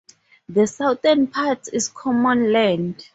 The southern part is common land.